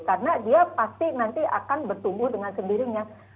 karena dia pasti nanti akan bertumbuh dengan sendirinya